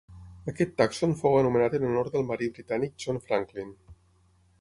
Aquest tàxon fou anomenat en honor del marí britànic John Franklin.